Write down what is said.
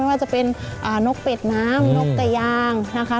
ว่าจะเป็นนกเป็ดน้ำนกแต่ยางนะคะ